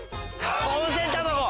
温泉卵！